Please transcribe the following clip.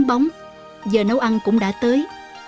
gió bóng giờ nấu ăn cũng đã tới